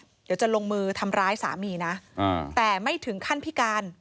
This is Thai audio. เดี๋ยวจะลงมือทำร้ายสามีนะแต่ไม่ถึงขั้นพิการ